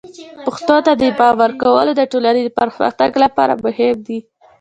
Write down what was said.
پښتو ته د پام ورکول د ټولنې د پرمختګ لپاره مهم دي.